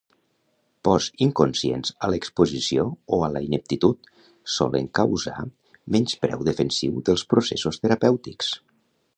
Pors inconscients a l'exposició o a la ineptitud solen causar menyspreu defensiu dels processos terapèutics.